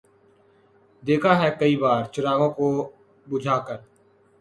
دیکھا ہے کئی بار چراغوں کو بجھا کر